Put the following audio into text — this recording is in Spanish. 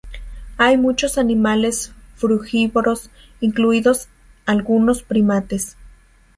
Hay muchos animales frugívoros, incluidos algunos primates.